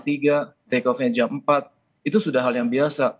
take off nya jam empat itu sudah hal yang biasa